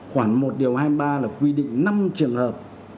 khoảng một điều hai mươi ba là quy định năm trường hợp